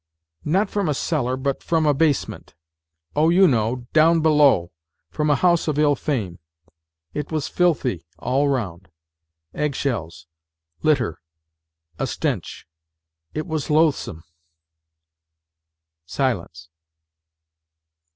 "" Not from a cellar, but from a basement. Oh, you know .. down below ... from a house of ill fame. It was filthy all round ... Egg shells, litter ... a stench. It was loathsome." Silence.